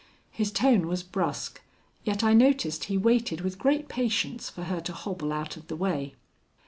His tone was brusque, yet I noticed he waited with great patience for her to hobble out of the way.